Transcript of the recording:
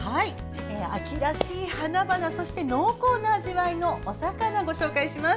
秋らしい花々濃厚な味わいのお魚をご紹介します。